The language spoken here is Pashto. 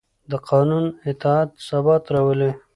د قانون اطاعت ثبات راولي